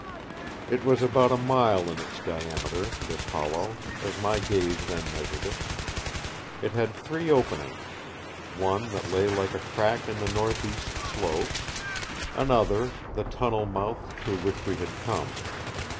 It was about a mile in its diameter, this hollow, as my gaze then measured it. It had three openings one that lay like a crack in the northeast slope; another, the tunnel mouth through which we had come.